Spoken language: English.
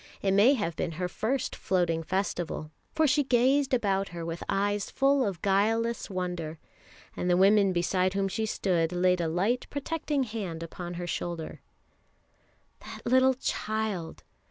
It may have been her first Floating Festival, for she gazed about her with eyes full of guileless wonder, and the woman beside whom she stood laid a light, protecting hand upon her shoulder. That little child!